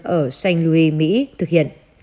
ở st louis mỹ thực hiện